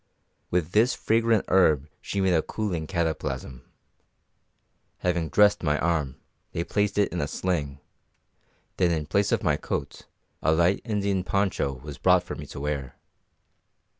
With this fragrant herb she made a cooling cataplasm. Having dressed my arm, they placed it in a sling, then in place of my coat a light Indian poncho was brought for me to wear.